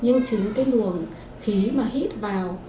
nhưng chính cái luồng khí mà hít vào